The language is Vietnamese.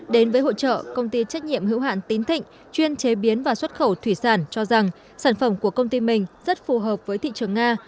đến với hội trợ công ty trách nhiệm hữu hạn tín thịnh chuyên chế biến và xuất khẩu thủy sản cho rằng sản phẩm của công ty mình rất phù hợp với thị trường nga